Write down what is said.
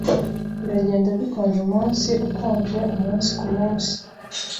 Biragenda bikonja umunsi ukonje umunsi kumunsi.)